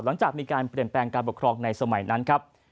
หลังจากมีการเปลี่ยนแปลงการปกครองในสมัยนั้นครับ